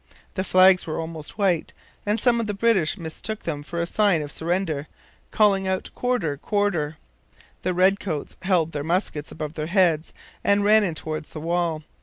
The flags were almost white, and some of the British mistook them for a sign of surrender. Calling out 'Quarter, Quarter!' the redcoats held their muskets above their heads and ran in towards the wall.